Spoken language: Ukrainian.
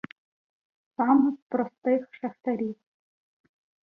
Сам з простих шахтарів.